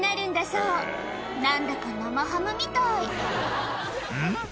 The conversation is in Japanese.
そう何だか生ハムみたいうん？